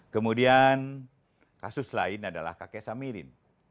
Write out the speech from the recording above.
kemudian kasus lain adalah kakek samirin